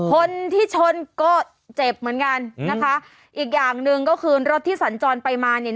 คนที่ชนก็เจ็บเหมือนกันนะคะอีกอย่างหนึ่งก็คือรถที่สัญจรไปมาเนี่ย